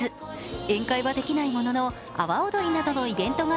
宴会はできないものの阿波おどりなどのイベントが